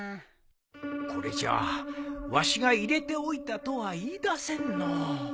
これじゃわしが入れておいたとは言い出せんのう